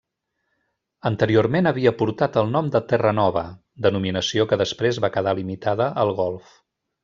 Anteriorment havia portat el nom de Terranova, denominació que després va quedar limitada al golf.